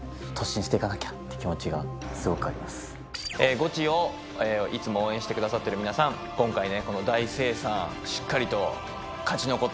ゴチをいつも応援してくださってる皆さん今回ね。